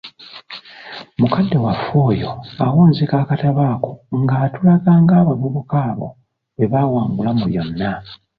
Mukadde waffe oyo awunzika akatabo ako ng'atulaga ng'abavubuka abo bwebawangula mu byonna.